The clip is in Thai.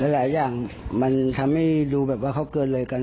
หลายอย่างมันทำให้ดูแบบว่าเขาเกินเลยกัน